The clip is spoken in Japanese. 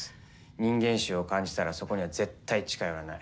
人間臭を感じたらそこには絶対近寄らない。